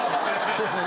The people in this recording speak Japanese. そうっすね。